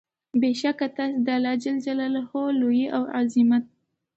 بې شکه تاسي چې د الله تعالی د جلال، لوئي او عظمت